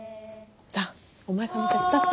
さぁお前さんも手伝って。